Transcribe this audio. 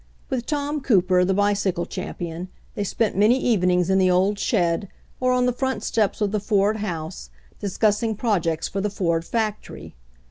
With Tom Cooper, the bi cycle champion, they spent many evenings in the old shed, or on the front steps of the Ford house, discussing projects for the Ford factory.